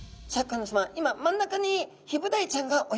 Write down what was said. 今真ん中にヒブダイちゃんが泳いでおります。